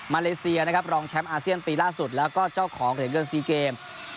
เลเซียนะครับรองแชมป์อาเซียนปีล่าสุดแล้วก็เจ้าของเหรียญเงิน๔เกม